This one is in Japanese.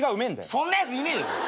そんなやついねえよ！